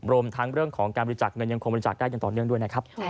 รวมทั้งเรื่องของการบริจาคเงินยังคงบริจาคได้อย่างต่อเนื่องด้วยนะครับ